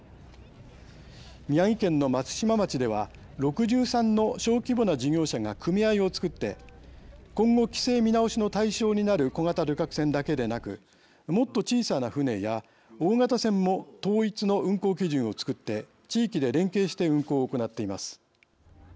宮城県の松島町では６３の小規模な事業者が組合をつくって今後、規制見直しの対象になる小型旅客船だけでなくもっと小さな船や大型船も統一の運航基準をつくって地域で連携して運航を行っています。